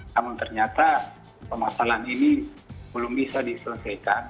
namun ternyata permasalahan ini belum bisa diselesaikan